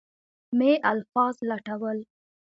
مې الفاظ لټول.